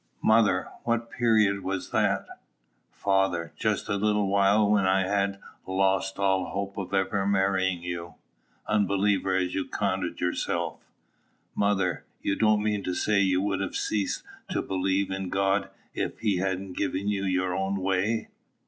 Mother. What period was that? Father. Just the little while when I had lost all hope of ever marrying you, unbeliever as you counted yourself. Mother. You don't mean to say you would have ceased to believe in God, if he hadn't given you your own way?